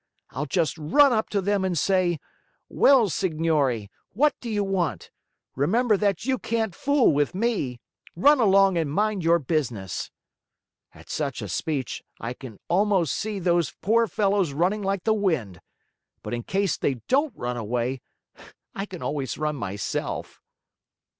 I'll just run up to them, and say, 'Well, signori, what do you want? Remember that you can't fool with me! Run along and mind your business.' At such a speech, I can almost see those poor fellows running like the wind. But in case they don't run away, I can always run myself.